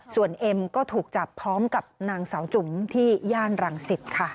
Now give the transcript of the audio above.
ส่วนเอ็มก็ถูกจับพร้อมกับนางสาวจุ๋มที่ย่านรังสิตค่ะ